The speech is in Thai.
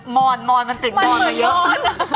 อนมอนมันติดมอนมาเยอะ